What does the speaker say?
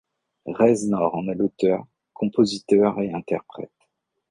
Reznor en est l'auteur, compositeur et interprète.